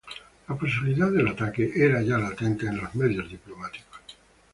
La posibilidad del ataque era ya latente en los medios diplomáticos.